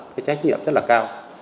cái trách nhiệm rất là cao